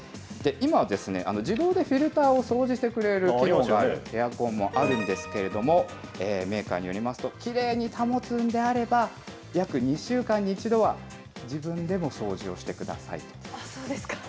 今、自動でフィルターを掃除してくれる機能があるエアコンもあるんですけれども、メーカーによりますと、きれいに保つんであれば、約２週間に１度は自分でも掃除をしてください。